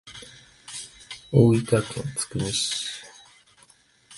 大分県津久見市